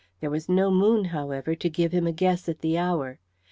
There was no moon, however, to give him a guess at the hour.